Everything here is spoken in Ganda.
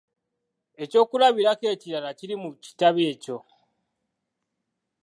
Eky'okulabirako ekirala kiri mu kitabo ekyo.